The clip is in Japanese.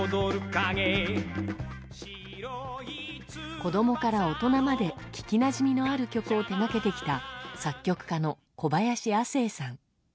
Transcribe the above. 子供から大人まで聴きなじみのある曲を手がけてきた作曲家の小林亜星さん。